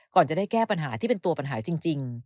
ก่อนจะได้แก้ปัญหาที่เป็นตัวปัญหาจริง